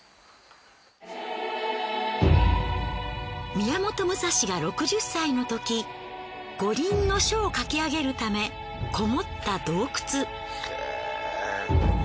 宮本武蔵が６０歳のとき『五輪書』を書き上げるためこもった洞窟。